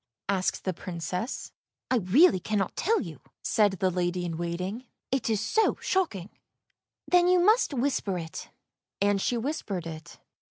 " asked the Princess. " I really cannot tell you," said the lady in waiting, " it is so shocking." " Then you must whisper it." And she whispered it.